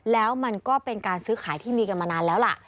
แล้วมันก็เป็นการซื้อขายที่มีกันมานานแล้วล่ะ